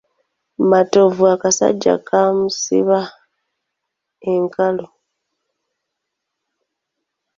Matovu akasajja kaamusiba enkalu.